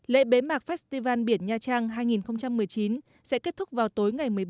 lễ bế mạc festival biển nha trang hai nghìn một mươi chín sẽ kết thúc vào tối ngày một mươi ba